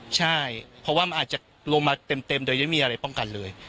ใช่เพราะว่ามันอาจจะลงมาเต็มโดยไม่มีอะไรป้องกันเลย